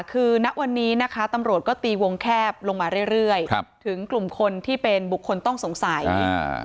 คือณวันนี้นะคะตำรวจก็ตีวงแคบลงมาเรื่อยเรื่อยครับถึงกลุ่มคนที่เป็นบุคคลต้องสงสัยอ่า